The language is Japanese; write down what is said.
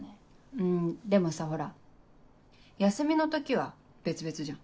うんでもさほら休みの時は別々じゃん。